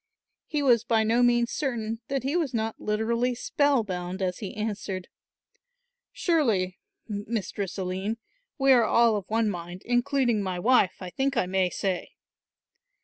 He was by no means certain that he was not literally spell bound as he answered; "Surely, Mistress Aline, we are all of one mind, including my wife, I think I may say."